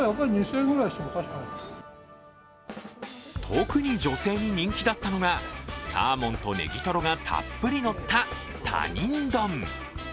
特に女性に人気だったのがサーモンとねぎトロがたっぷりのった他人丼。